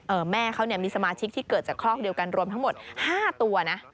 แม่เขาเนี่ยมีสมาชิกที่เกิดจากคอกเดียวกันรวมทั้งหมดห้าตัวนะ